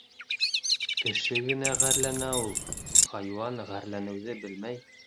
Кеше генә ғәрләнә ул. Хайуан ғәрләнеүҙе белмәй.